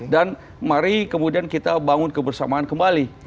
dan mari kemudian kita bangun kebersamaan kembali